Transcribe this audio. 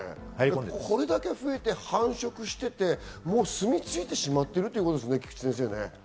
これだけ増えて繁殖していて、すみついてしまっているってことですね、菊地先生。